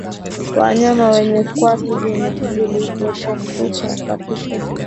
Wanyama wenye kwato zilizopasuka kati